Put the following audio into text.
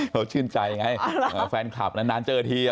เขาชื่นใจไงแฟนคลับนานเจอที